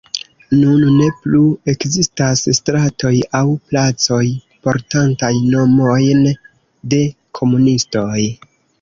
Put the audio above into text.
Nun ne plu ekzistas stratoj aŭ placoj portantaj nomojn de komunistoj.